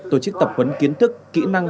tổ chức tập huấn kiến thức kỹ năng